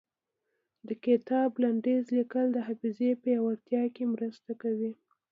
د کتاب لنډيز ليکل د حافظې پياوړتيا کې مرسته کوي.